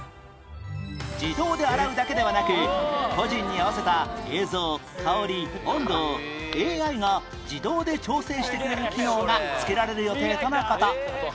自動で洗うだけではなく個人に合わせた映像香り温度を ＡＩ が自動で調整してくれる機能が付けられる予定との事